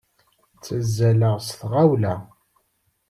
Ttazzaleɣ s tɣawla.